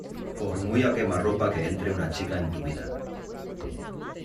por muy a_quemarropa que entre una chica en tu vida